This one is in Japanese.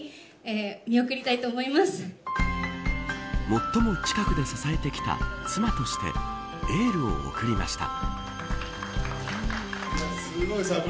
最も近くで支えてきた妻としてエールを送りました。